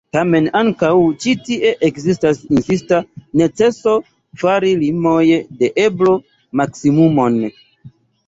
Tamen ankaŭ ĉi tie ekzistas insista neceso fari en limoj de eblo maksimumon.